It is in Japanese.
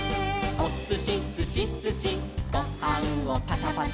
「おすしすしすしごはんをパタパタ」